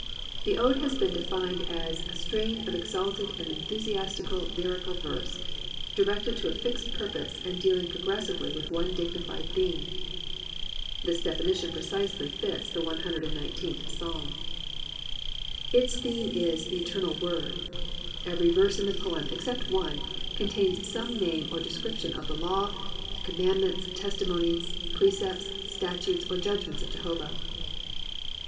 The ode has been defined as "a strain of exalted and enthusiastic lyrical verse, directed to a fixed purpose and dealing progressively with one dignified theme." * This definition precisely fits the One Hundred and Nineteenth Psalm. * English Odes, selected by Edmund Gosse. Preface, page xiii. 50 POETRY IN THE PSALMS Its theme is The Eternal Word, Every verse in the poem, except one, contains some name or de scription of the law, commandments, testimonies, precepts, statutes, or judgments of Jehovah.